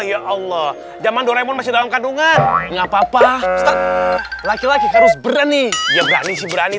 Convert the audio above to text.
ya allah zaman doraemon masih dalam kandungan ngapa ngapa laki laki harus berani berani berani